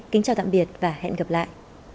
kính chào tạm biệt và hẹn gặp lại